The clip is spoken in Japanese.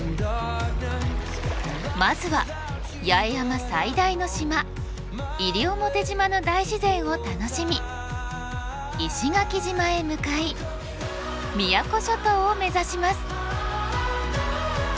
まずは八重山最大の島西表島の大自然を楽しみ石垣島へ向かい宮古諸島を目指します。